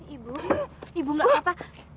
ibu ibu enggak apa apa